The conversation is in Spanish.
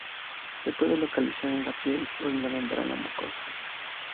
Se puede localizar en la piel o en la membrana mucosa.